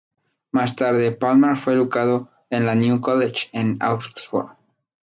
Más tarde, Palmer fue educado en el New College, en Oxford.